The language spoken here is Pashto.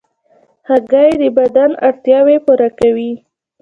هګۍ د بدن اړتیاوې پوره کوي.